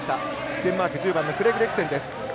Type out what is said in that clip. デンマーク１０番のフレズレクセンです。